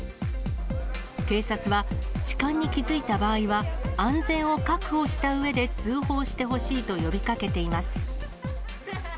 警察は、痴漢に気付いた場合は、安全を確保したうえで通報してほしいと呼びかけています。